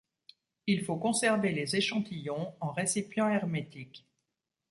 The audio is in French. Il faut conserver les échantillons en récipient hermétique.